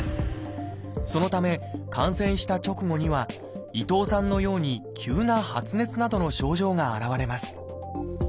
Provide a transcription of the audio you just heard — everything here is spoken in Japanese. そのため感染した直後には伊藤さんのように急な発熱などの症状が現れます。